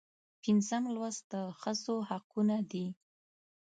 پنځم لوست د ښځو حقونه دي.